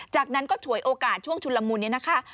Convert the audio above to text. จากนั้นก็ฉวยโอกาสช่วงชุนละมุนนี้นะคะ